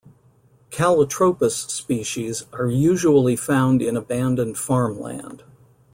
"Calotropis" species are usually found in abandoned farmland.